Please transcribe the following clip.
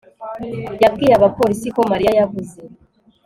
yabwiye abapolisi ko mariya yabuze